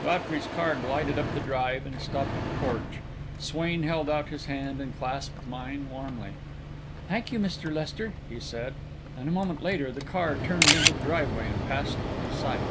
Godfrey's car glided up the drive and stopped at the porch. Swain held out his hand and clasped mine warmly. "Thank you, Mr. Lester," he said; and a moment later the car turned into the highway and passed from sight.